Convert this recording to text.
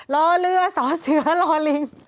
ลอเลือซอเสียลอลิง